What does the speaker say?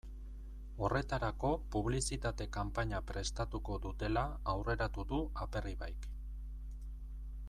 Horretarako publizitate kanpaina prestatuko dutela aurreratu du Aperribaik.